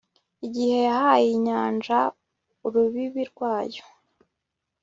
Igihe yahaye inyanja urubibi rwayo